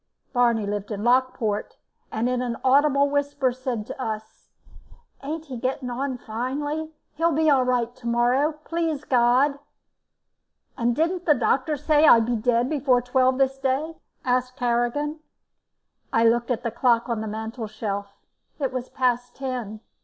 Barney lived in Lockport, and in an audible whisper said to us: "Ain't he getting on finely? He'll be all right again to morrow, please God." "And didn't the doctor say I'd be dead before twelve this day?" asked Harrigan. I looked at the clock on the mantelshelf. It was past ten.